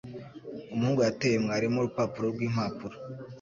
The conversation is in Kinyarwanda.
Umuhungu yateye mwarimu urupapuro rwimpapuro.